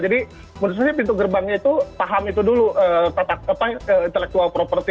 jadi menurut saya pintu gerbangnya itu paham itu dulu tata intellectual property